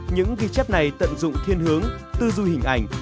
những ghi chép này tận dụng thiên hướng tư duy hình ảnh